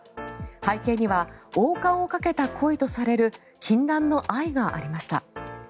背景には王冠をかけた恋とされる禁断の愛がありました。